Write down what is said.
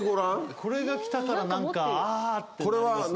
これが来たからなんかああってなりますよね。